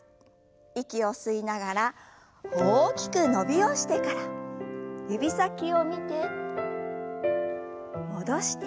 息を吸いながら大きく伸びをしてから指先を見て戻して。